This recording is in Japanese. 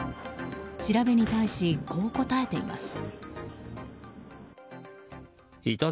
調べに対し、こう答えています。